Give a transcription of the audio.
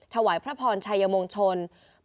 ถวายพระพรชัยมงชน